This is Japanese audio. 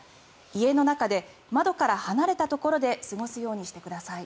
家の中で、窓から離れたところで過ごすようにしてください。